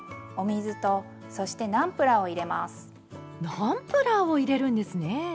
ナムプラーを入れるんですね！